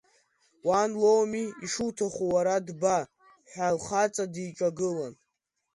Уан лоуми, ишуҭаху уара дба, ҳәа лхаҵа диҿагылан.